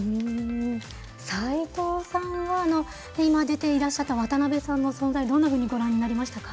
齊藤さんは今出ていらっしゃった渡邊さんの存在どんなふうにご覧になりましたか。